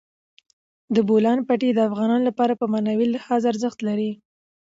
د بولان پټي د افغانانو لپاره په معنوي لحاظ ارزښت لري.